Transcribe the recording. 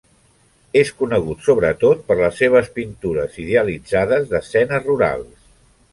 És conegut sobretot per les seves pintures idealitzades d'escenes rurals.